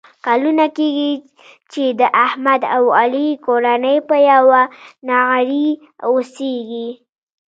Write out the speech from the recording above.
کلونه کېږي چې د احمد او علي کورنۍ په یوه نغري اوسېږي.